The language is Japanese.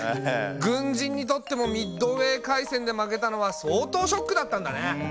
軍人にとってもミッドウェー海戦で負けたのは相当ショックだったんだね。